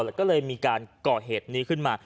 แล้วก็เลยมีการก่อเหตุนี้ขึ้นมา